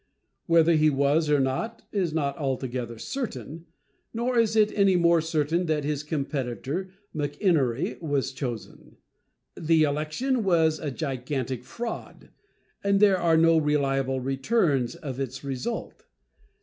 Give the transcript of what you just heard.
Whether he was or not is not altogether certain, nor is it any more certain that his competitor, McEnery, was chosen. The election was a gigantic fraud, and there are no reliable returns of its result.